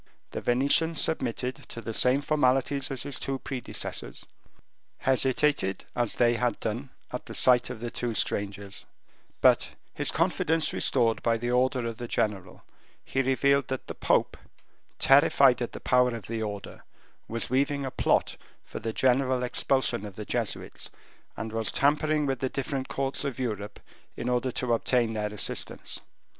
The Venetian submitted to the same formalities as his two predecessors, hesitated as they had done at the sight of the two strangers, but his confidence restored by the order of the general, he revealed that the pope, terrified at the power of the order, was weaving a plot for the general expulsion of the Jesuits, and was tampering with the different courts of Europe in order to obtain their assistance.